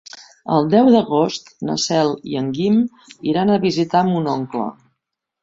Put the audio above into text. El deu d'agost na Cel i en Guim iran a visitar mon oncle.